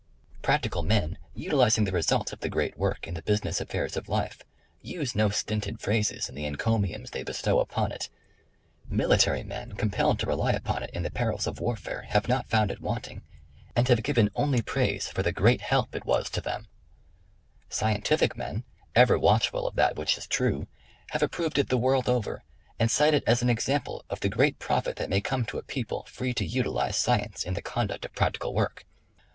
Practical men utilizing the results of the great work in the business affairs of life, use no stinted phrases in the encomiums they bestow upon it ; Military men compelled to rely upon it in the perils of warfare, have not found it want ing, and have given only praise for the great help it was to them ^ Scientific men, ever watchful of that which is true, have approved it the world over, and cite it as an example of the great profit that may come to a people, free to utilize Science in the conduct of practical work.